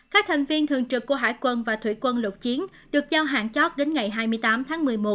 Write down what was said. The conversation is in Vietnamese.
các thành viên thường trực của hải quân và thủy quân lục chiến được giao hạn chót đến ngày hai mươi tám tháng một mươi một